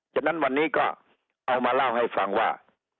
ฉะนั้นวันนี้ก็เอามาเล่าให้ฟังว่า